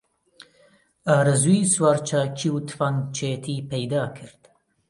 ئارەزووی سوارچاکی و تفەنگچێتی پەیدا کرد